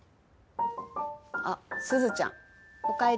あっすずちゃんおかえり。